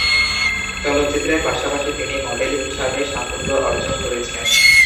চলচ্চিত্রের পাশাপাশি তিনি মডেল হিসাবে সাফল্য অর্জন করেছেন।